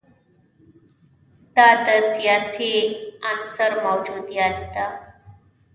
دا د سیاسي عنصر موجودیت ده.